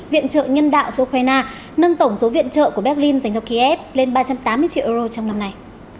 viện trợ nhân đạo cho ukraine nâng tổng số viện trợ của berlin dành cho kiev lên ba trăm tám mươi triệu euro trong năm nay